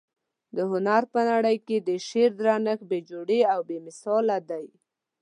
د هنر په نړۍ کي د شعر درنښت بې جوړې او بې مثاله دى.